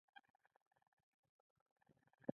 د عیار ژوند باید پر دریو مرحلو وویشل شي.